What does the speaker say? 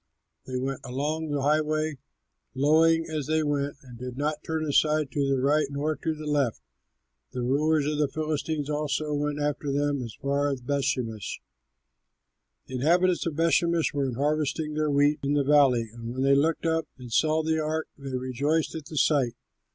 They went along the highway, lowing as they went, and did not turn aside to the right nor to the left. The rulers of the Philistines also went after them as far as Bethshemesh. The inhabitants of Bethshemesh were harvesting their wheat in the valley, and when they looked up and saw the ark, they rejoiced at the sight.